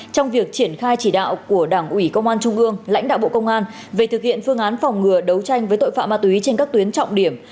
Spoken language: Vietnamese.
trong việc triển khai chỉ đạo của đảng ủy công an trung ương lãnh đạo bộ công an về thực hiện phương án phòng ngừa đấu tranh với tội phạm ma túy trên các tuyến trọng điểm